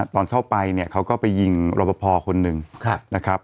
ตอนเข้าไปเนี่ยเขาก็ไปยิงรบพอคนหนึ่งนะครับ